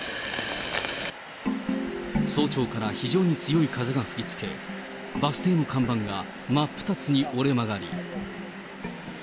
早朝から非常に強い風が吹きつけ、バス停の看板が真っ二つに折れ曲がり。